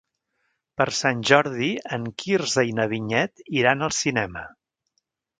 Per Sant Jordi en Quirze i na Vinyet iran al cinema.